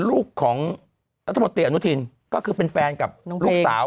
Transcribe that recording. ลูกของรัฐมนตรีอนุทินก็คือเป็นแฟนกับลูกสาว